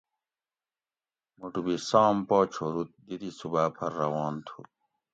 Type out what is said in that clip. مُوٹو بھی سام پا چھورُوت دی دی صوباۤ پۤھر روان تُھو